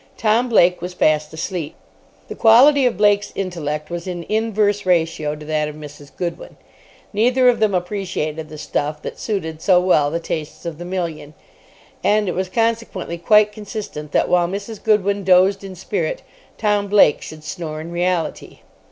Tom Blake was fast asleep. The quality of Blake's intellect was in inverse ratio to that of Mrs. Goodwin. Neither of them appreciated the stuff that suited so well the tastes of the million; and it was consequently quite consistent that while Mrs. Goodwin dozed in spirit Tom Blake should snore in reality.